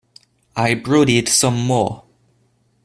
I brooded some more.